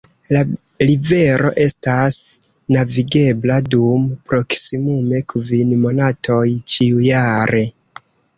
La rivero estas navigebla dum proksimume kvin monatoj ĉiujare.